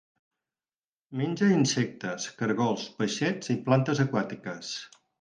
Menja insectes, caragols, peixets i plantes aquàtiques.